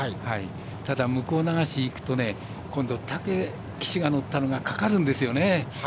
ただ向こう流しに行くと今度武騎手が乗ったのがかかるんですよね。